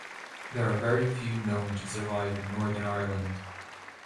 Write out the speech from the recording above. There are very few known to survive in Northern Ireland.